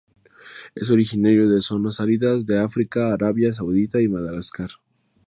Es originario de zonas áridas de África, Arabia Saudita y Madagascar.